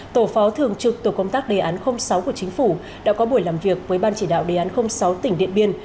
tổ phó thường trực tổ công tác đề án sáu của chính phủ đã có buổi làm việc với ban chỉ đạo đề án sáu tỉnh điện biên